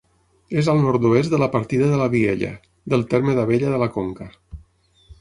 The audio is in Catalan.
És al nord-oest de la partida de la Viella, del terme d'Abella de la Conca.